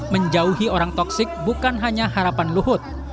menjauhi orang toksik bukan hanya harapan luhut